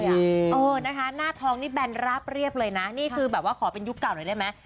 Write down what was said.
เออนะคะหน้าทองนี่แบนราบเรียบเลยนะนี่คือแบบว่าขอเป็นยุคเก่าหน่อยได้ไหม